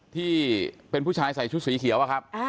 ที่เป็นผู้ชายใส่ชุดสีเขียวอะครับ